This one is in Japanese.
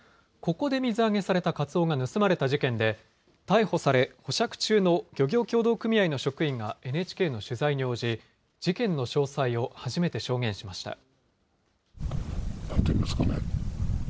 ここで水揚げされたカツオが盗まれた事件で、逮捕され、保釈中の漁業協同組合の職員がＮＨＫの取材に応じ、事件の詳細を初めて証言しました。